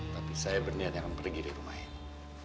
tapi saya berniat akan pergi di rumah ini